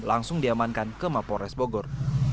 langsung diamankan ke mapores bogor